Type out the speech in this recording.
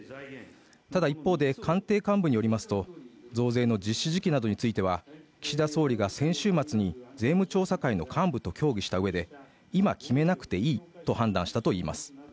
ただ一方で官邸幹部によりますと増税の実施時期などについては岸田総理が先週末に税務調査会の幹部と協議したうえで今決めなくていいと判断したといいます